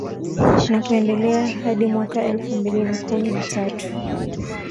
na kuendelea hadi mwaka elfu mbili na kumi na tatu